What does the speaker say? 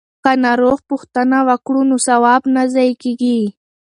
که ناروغ پوښتنه وکړو نو ثواب نه ضایع کیږي.